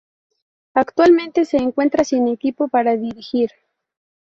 Actualmente se encuentra sin equipo para dirigir.